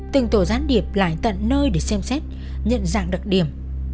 từng tổ gián điệp lại tận nơi để xem xét nhận dạng đặc điểm